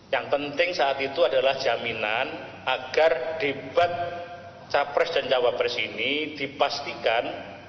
yang penting saat itu adalah jaminan agar debat capres dan cawapres ini dipastikan